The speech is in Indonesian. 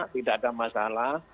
tidak ada masalah